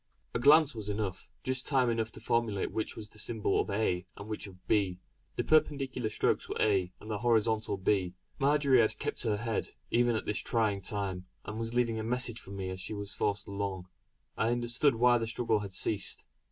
A glance was enough, just time enough to formulate which was the symbol of "a" and which of "b." The perpendicular strokes were "a" and the horizontal "b." Marjory had kept her head, even at this trying time, and was leaving a message for me as she was forced along. I understood why the struggle had ceased.